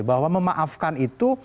bahwa memaafkan itu